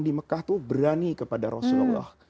di mekah itu berani kepada rasulullah